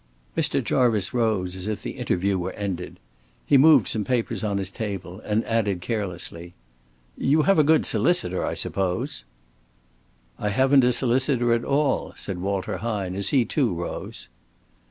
Mr. Jarvice rose as if the interview was ended. He moved some papers on his table, and added carelessly "You have a good solicitor, I suppose?" "I haven't a solicitor at all," said Walter Hine, as he, too, rose.